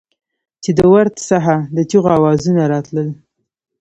چې د ورد څخه د چېغو اوزونه راتلل.